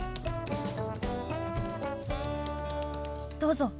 どうぞ。